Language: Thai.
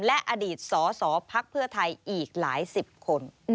และอดีตสสพักเพื่อไทยอีกหลายสิบคน